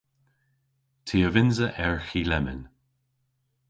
Ty a vynnsa erghi lemmyn.